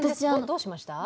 どうしました？